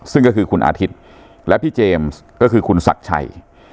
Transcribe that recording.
ซึ่งก็คือคุณอาทิตย์และพี่เจมส์ก็คือคุณศักดิ์ชัย